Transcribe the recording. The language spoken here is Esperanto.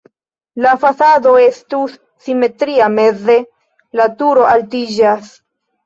La fasado estus simetria, meze la turo altiĝas.